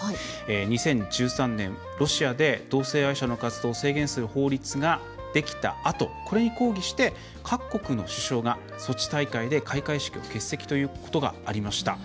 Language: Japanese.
２０１３年、ロシアで同性愛者の活動を制限する法律ができたあとこれに講義して各国の首相がソチ大会で開会式を欠席ということがありました。